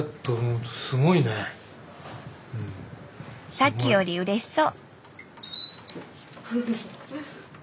さっきよりうれしそう。